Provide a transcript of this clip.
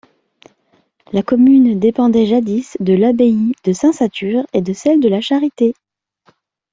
La commune dépendait jadis de l'abbaye de Saint-Satur et de celle de La Charité.